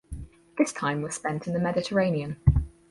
This time was spent in the Mediterranean.